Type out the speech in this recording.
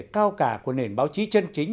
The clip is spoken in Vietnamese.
cao cả của nền báo chí chân chính